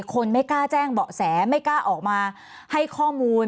คนไม่กล้าแจ้งเบาะแสไม่กล้าออกมาให้ข้อมูล